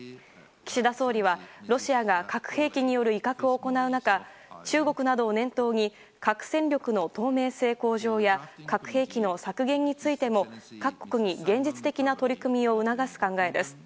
岸田総理は、ロシアが核兵器による威嚇を行う中中国などを年頭に核戦力の透明性向上や核兵器の削減についても各国に現実的な取り組みを促す考えです。